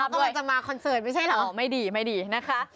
เดี๋ยวเขาก็จะมาคอนเสิร์ตไม่ใช่เหรออ๋อไม่ดีนะคะ